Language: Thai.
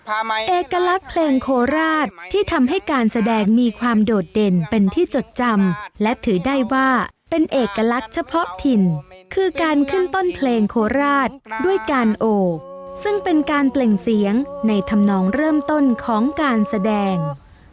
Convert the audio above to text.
เอกลักษณ์เพลงโคราชที่ทำให้การแสดงมีความโดดเด่นเป็นที่จดจำและถือได้ว่าเป็นเอกลักษณ์เฉพาะถิ่นคือการขึ้นต้นเพลงโคราชด้วยการโอซึ่งเป็นการเปล่งเสียงในธรรมนองเริ่มต้นของการแสดง